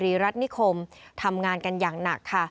ที่รัฐณิคมทำงานกันอย่างหนัก